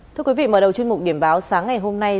thưa quý vị mở đầu chương trình điểm báo sáng ngày hôm nay